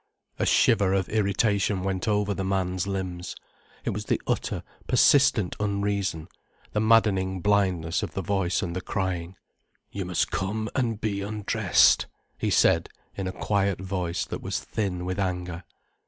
A shiver of irritation went over the man's limbs. It was the utter, persistent unreason, the maddening blindness of the voice and the crying. "You must come and be undressed," he said, in a quiet voice that was thin with anger.